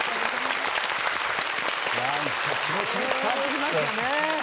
何か気持ちが伝わってきましたね。